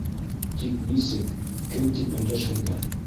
Тик нисек, кем тип өндәшергә?